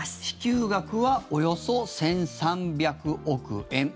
支給額はおよそ１３００億円。